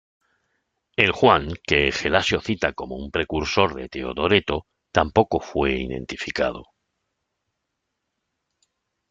El "Juan", que Gelasio cita como un precursor de Teodoreto, tampoco fue identificado.